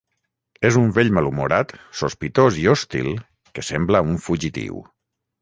És un vell malhumorat, sospitós i hostil que sembla un fugitiu.